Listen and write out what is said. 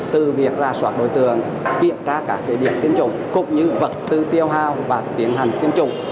từ việc ra soát đối tượng kiểm tra các điểm tiêm chủng cũng như vật tư tiêu hào và tiến hành tiêm chủng